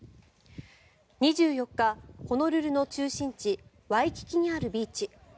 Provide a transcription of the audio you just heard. ２４日、ホノルルの中心地ワイキキにあるビーチ。